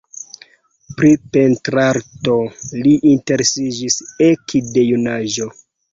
Pri pentrarto li interesiĝis ekde junaĝo.